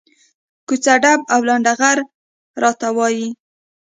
کوڅه ډب او لنډه غر راته وایي.